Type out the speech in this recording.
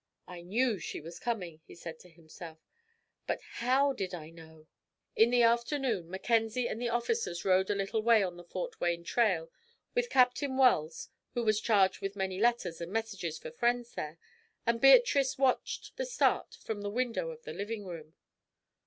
"I knew she was coming," he said to himself; "but how did I know?" In the afternoon, Mackenzie and the officers rode a little way on the Fort Wayne trail with Captain Wells, who was charged with many letters and messages for friends there, and Beatrice watched the start from the window of the living room.